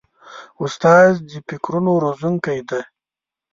استاد د فکرونو روزونکی دی.